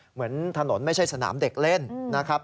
เหมือนถนนไม่ใช่สนามเด็กเล่นนะครับ